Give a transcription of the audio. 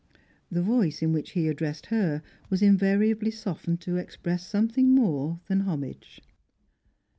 The voice in which he addressed her was invariably softened to express something more than homage.